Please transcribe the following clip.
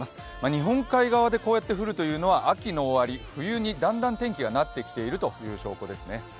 日本海側でこうやって降るというのは秋の終わり冬にだんだん、天気がなってきているという状況ですね。